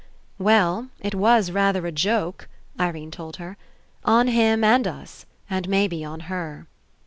"Well, it was rather a joke," Irene told her, "on him and us and maybe on her."